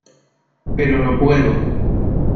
pero no puedo.